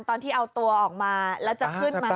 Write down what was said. ตอนที่เอาตัวออกมาแล้วจะขึ้นมา